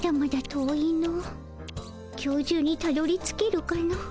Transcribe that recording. きょう中にたどりつけるかの。